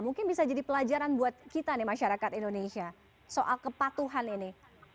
mungkin bisa jadi pelajaran buat kita nih masyarakat indonesia soal kepatuhan ini